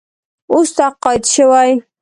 اوس تقاعد شوی.